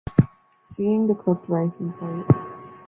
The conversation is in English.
seeing the cooked rice in plate